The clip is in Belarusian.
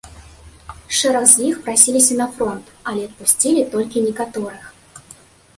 Шэраг з іх прасіліся на фронт, але адпусцілі толькі некаторых.